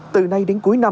từ nay đến cuối năm